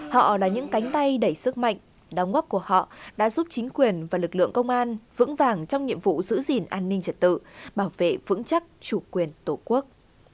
họ là những cánh tay đầy sức mạnh đóng góp của họ đã giúp chính quyền và lực lượng công an vững vàng trong nhiệm vụ giữ gìn an ninh trật tự bảo vệ vững chắc chủ quyền tổ quốc